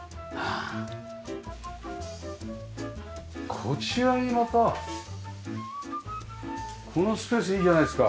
こちらにまたこのスペースいいじゃないですか。